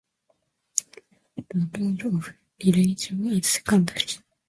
The role of religion is secondary.